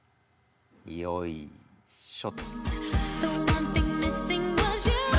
よいしょ。